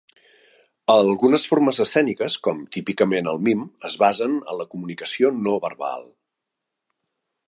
Algunes formes escèniques, com típicament el mim es basen en la comunicació no verbal.